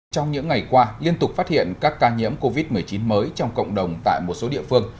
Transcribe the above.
trong những ngày qua liên tục phát hiện các ca nhiễm covid một mươi chín mới trong cộng đồng tại một số địa phương